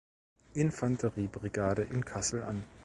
Infanterie-Brigade in Kassel an.